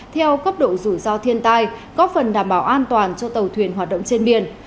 theo cấp độ rủi ro thiên tai có phần đảm bảo an toàn cho tàu thuyền hoạt động trên biển